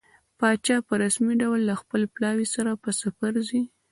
پاچا په رسمي ډول له خپل پلاوي سره په سفر ځي.